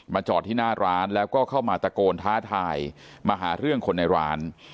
จอดที่หน้าร้านแล้วก็เข้ามาตะโกนท้าทายมาหาเรื่องคนในร้าน